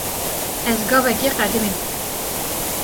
Ez gavekê qedimîm.